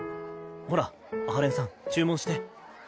ほら阿波連さん注文して。